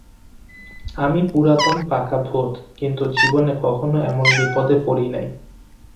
আমি পুরাতন পাকা ভূত, কিন্তু জীবনে কখনও এমন বিপদে পড়ি নাই।